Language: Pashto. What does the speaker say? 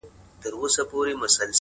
بلا خبرې چي په زړه کي لکه ته پاتې دي’